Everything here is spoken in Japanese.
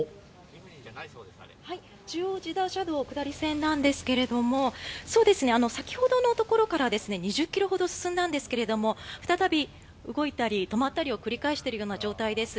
中央自動車道下り線なんですけども先ほどのところから２０ｋｍほど進んだんですけれども再び動いたり止まったりを繰り返している状態です。